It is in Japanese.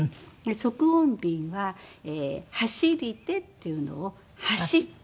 促音便は「走りて」っていうのを「走って」。